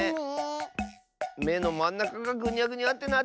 めのまんなかがぐにゃぐにゃってなってる！